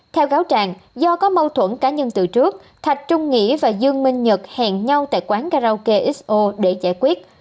theo gáo trạng do có mâu thuẫn cá nhân từ trước thạch trung nghĩa và dương minh nhật hẹn nhau tại quán karaoke xo để giải quyết